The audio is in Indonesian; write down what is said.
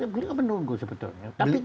beliau menunggu sebetulnya